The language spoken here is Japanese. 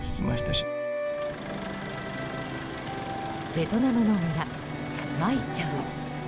ベトナムの村、マイチャウ。